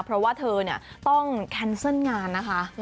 เพราะว่าเธอต้องแคนเซิลงานนะคะ